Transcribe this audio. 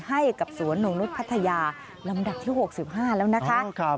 ให้กับสวนหน่งนุษย์พัทยาลำดับที่๖๕แล้วนะคะ